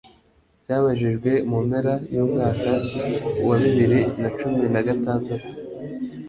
cyabajijwe mu mpera y'umwaka wa bibiri na cumi nagatandatu